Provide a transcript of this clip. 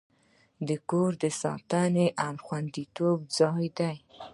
کور د ساتنې او خوندیتوب ځای دی.